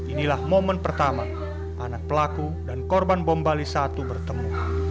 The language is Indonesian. inilah momen pertama anak pelaku dan korban bombali i bertemu